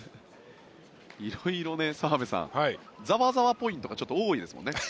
色々、澤部さんざわざわポイントがちょっと多いですもんね。